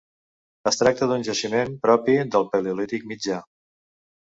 Es tracta d'un jaciment propi del Paleolític mitjà.